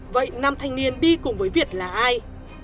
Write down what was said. vậy nam thanh niên đi cùng với việt là ai